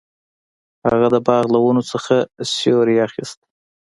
هغه د باغ له ونو څخه سیوری اخیست.